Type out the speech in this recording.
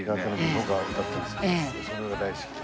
僕が歌ってるんですけどそれが大好きで。